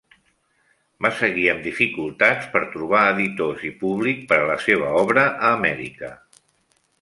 Va seguir amb dificultats per trobar editors i públic per a la seva obra a Amèrica.